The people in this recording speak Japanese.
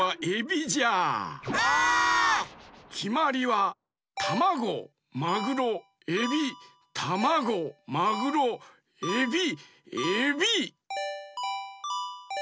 きまりはタマゴマグロエビタマゴマグロエビエビ！